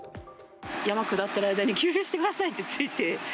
山下っている間に、給油してくださいってついて。